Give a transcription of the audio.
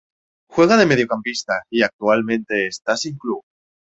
Juega de mediocampista y actual mente está sin club.